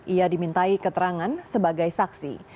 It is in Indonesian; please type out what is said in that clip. ia dimintai keterangan sebagai saksi